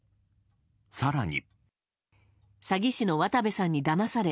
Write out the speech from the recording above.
更に。